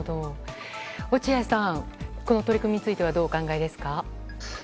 落合さん、この取り組みについてどうお考えですか？